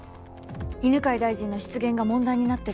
犬飼大臣の失言が問題になってる